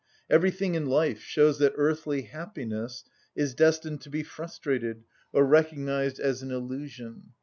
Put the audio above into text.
Everything in life shows that earthly happiness is destined to be frustrated or recognised as an illusion.